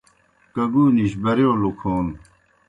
کگُونِجیْ برِیؤ لُکھون